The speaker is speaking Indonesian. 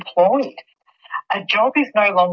tidak lagi sebuah perlindungan